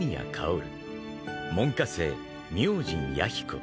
［門下生明神弥彦］